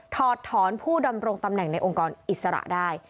ถอดถอนผู้ดำรงตำแหน่งในองค์กรอิสระได้